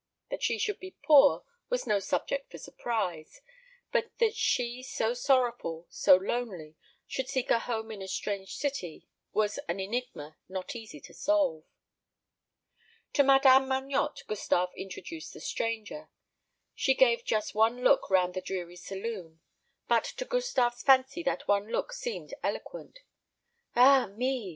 That she should be poor was no subject for surprise; but that she, so sorrowful, so lonely, should seek a home in a strange city, was an enigma not easy to solve. To Madame Magnotte Gustave introduced the stranger. She gave just one look round the dreary saloon; but to Gustave's fancy that one look seemed eloquent. "Ah me!"